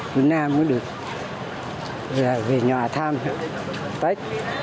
việt nam mới được về nhà thăm tết